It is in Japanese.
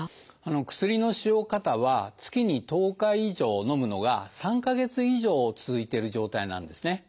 薬の使用過多は月に１０日以上のむのが３か月以上続いてる状態なんですね。